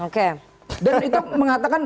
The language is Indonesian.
oke dan itu mengatakan